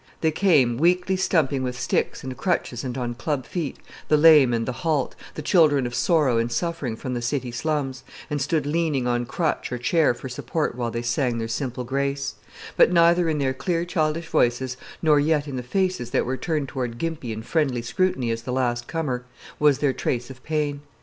They came weakly stumping with sticks and crutches and on club feet, the lame and the halt, the children of sorrow and suffering from the city slums, and stood leaning on crutch or chair for support while they sang their simple grace; but neither in their clear childish voices nor yet in the faces that were turned toward Gimpy in friendly scrutiny as the last comer, was there trace of pain.